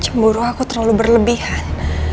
cemburu aku terlalu berlebihan